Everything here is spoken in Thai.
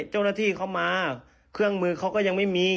เจ้าหน้าที่เขามาเครื่องมือเขาก็ยังไม่มี